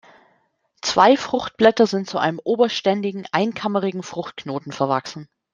Zwei Fruchtblätter sind zu einem oberständigen, einkammerigen Fruchtknoten verwachsen.